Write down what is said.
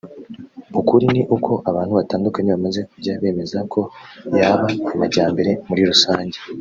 ukuri ni uko abantu batandukanye bamaze kujya bemeza ko yaba amajyambere muri rusange